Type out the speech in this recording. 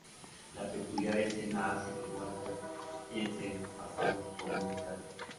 La peculiar escena hace que Walter piense en su pasado por un instante.